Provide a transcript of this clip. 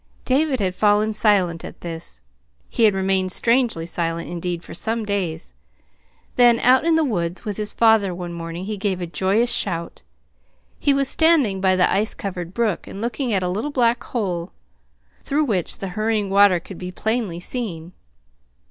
David had fallen silent at this. He had remained strangely silent indeed for some days; then, out in the woods with his father one morning, he gave a joyous shout. He was standing by the ice covered brook, and looking at a little black hole through which the hurrying water could be plainly seen.